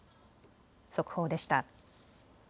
速報でした。